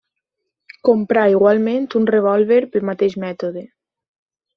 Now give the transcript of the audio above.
Comprà igualment un revòlver pel mateix mètode.